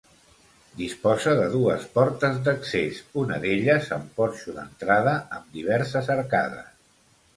Disposa de dues portes d'accés, una d'elles amb porxo d'entrada amb diverses arcades.